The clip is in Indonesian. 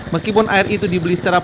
meskipun air itu dibeli secara